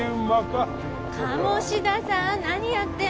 鴨志田さん何やってるの？